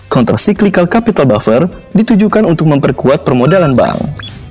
counter cyclical capital buffer ditujukan untuk memperkuat permodalan bank